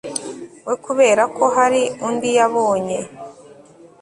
we kubera ko hari undi yabonye